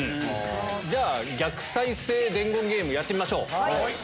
じゃあ「逆再生伝言ゲーム」やってみましょう。